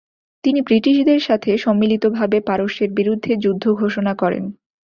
তিনি ব্রিটিশদের সাথে সম্মিলিতিভাবে পারস্যের বিরুদ্ধে যুদ্ধ ঘোষণা করেন।